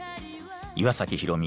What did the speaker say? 岩崎宏美